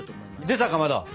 でさかまど！